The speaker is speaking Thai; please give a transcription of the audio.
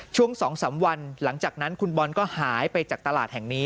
ช่วง๒๓วันหลังจากนั้นคุณบอลก็หายไปจากตลาดแห่งนี้